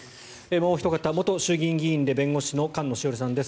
もうおひと方弁護士で元衆議院議員の菅野志桜里さんです。